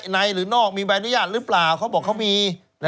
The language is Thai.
หรือนอกมีใบอนุญาตหรือเปล่าเขาบอกเขามี